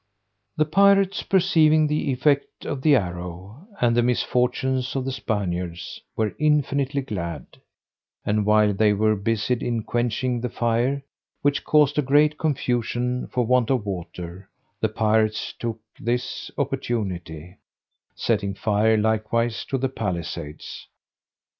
The pirates perceiving the effect of the arrow, and the misfortunes of the Spaniards, were infinitely glad; and while they were busied in quenching the fire, which caused a great confusion for want of water, the pirates took this opportunity, setting fire likewise to the palisades.